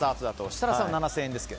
設楽さんは７０００円ですが。